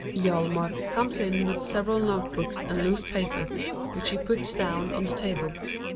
Hjalmar (comes in with several note books and loose papers, which he puts down on the table).